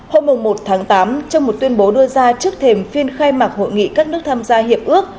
hôm một tháng tám trong một tuyên bố đưa ra trước thềm phiên khai mạc hội nghị các nước tham gia hiệp ước